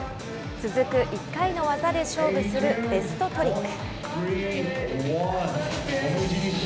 続く１回の技で勝負するベストトリック。